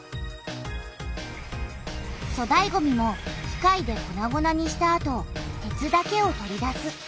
そだいごみも機械でこなごなにしたあと鉄だけを取り出す。